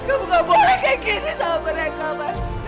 kamu gak boleh kayak gini sama mereka mas